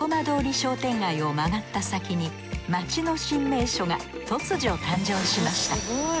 商店街を曲がった先に街の新名所が突如誕生しましたすごい。